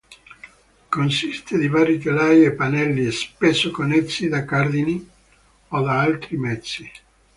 Consiste di vari telai o pannelli, spesso connessi da cardini o da altri mezzi.